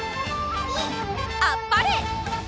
あっぱれ！